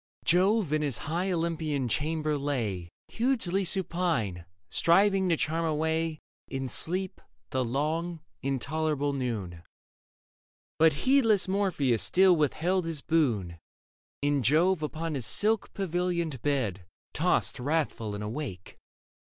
Jove in his high Olympian chamber lay Hugely supine, striving to charm away In sleep the long, intolerable noon. But heedless Morpheus still withheld his boon, And Jove upon his silk pavilioned bed Tossed wrathful and awake.